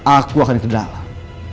aku akan ke dalam